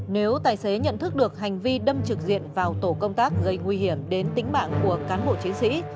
nếu tài xế nhận thức được hành vi đâm trực diện vào tổ công tác gây nguy hiểm đến tính mạng của cán bộ chiến sĩ